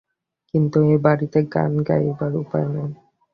কিন্তু এই বাড়িতে গান গাওয়ার উপায় নেই।